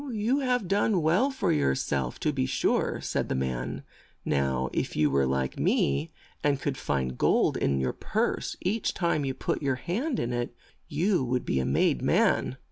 "You have done well for your self, to be sure," said the man. "Now if you were like me, and could find gold in your purse each time you put your hand in it, you would be a made man."